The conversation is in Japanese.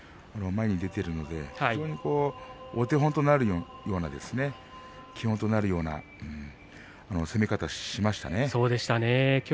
前に出ているのでお手本となるような基本となるような攻め方をしましたね。